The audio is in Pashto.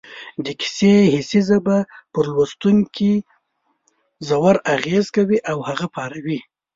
د کیسې حسي ژبه پر لوستونکي ژور اغېز کوي او هغه پاروي